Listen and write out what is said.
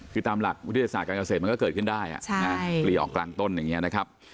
คือตามหลักวิทยาศาสตร์การเกษตรมันก็เกิดขึ้นได้ปลีออกกลางต้นอย่างนี้นะครับ